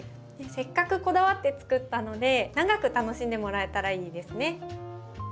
せっかくこだわって作ったので長く楽しんでもらえたらいいですね。